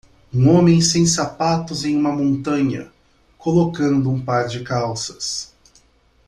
Um homem sem sapatos em uma montanha, colocando um par de calças.